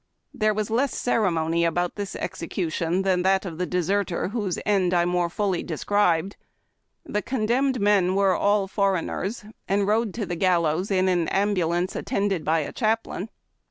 There was less ceremony about this execution than that of the deserter, whose end I more fully described. The condemned men were all foreigners. OFFENCES AND PUNISHMENTS, 163 and rode to the gallows in an ambulance attended by a chaplain.